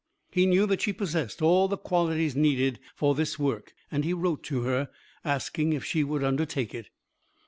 He knew that she possessed all the qualities needed for this work, and he wrote to her, asking if she would undertake it.